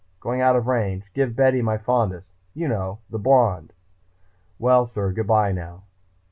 Going out of range. Give Betty my fondest. You know, the blonde.... Well, sir goodbye now."